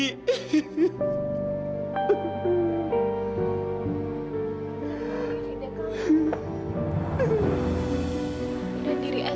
tidak wili tidak kak